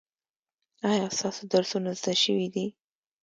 ایا ستاسو درسونه زده شوي دي؟